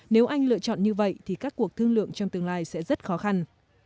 nếu anh lựa chọn như vậy thì các cuộc thương lượng trong tương lai sẽ rất khó khăn